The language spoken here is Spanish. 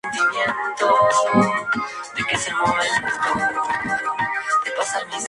Tras la gira se encierran en los estudios para grabar el segundo disco.